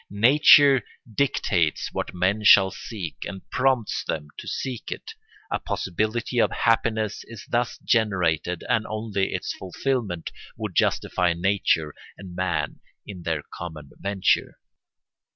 Nature dictates what men shall seek and prompts them to seek it; a possibility of happiness is thus generated and only its fulfilment would justify nature and man in their common venture.